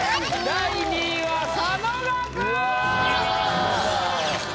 第２位は佐野岳！